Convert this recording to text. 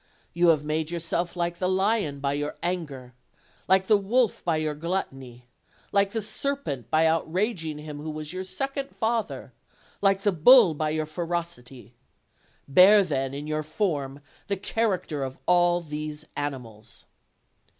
You have made yourself like the lion by your anger, like the wolf by your gluttony, like the serpent by outraging him who was your second father, like the bull by your ferocity. Bear then in your form the character of all these animals."